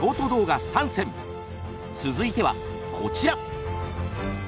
続いてはこちら！